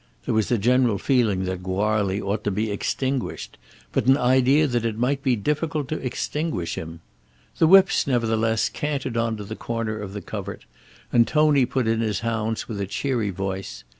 There was a general feeling that Goarly ought to be extinguished, but an idea that it might be difficult to extinguish him. The whips, nevertheless, cantered on to the corner of the covert, and Tony put in his hounds with a cheery voice.